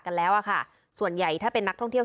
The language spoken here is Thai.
แล้วอ่ะค่ะส่วนใหญ่ถ้าเป็นนักท่องเที่ยว